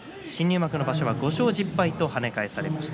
先場所は５勝１０敗と跳ね返されました。